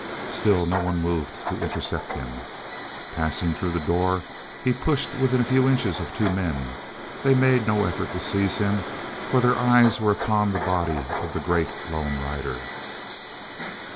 Still no one moved to intercept him. Passing through the door he pushed within a few inches of two men. They made no effort to seize him, for their eyes were upon the body of the great lone rider.